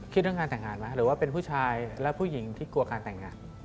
เรื่องงานแต่งงานไหมหรือว่าเป็นผู้ชายและผู้หญิงที่กลัวการแต่งงาน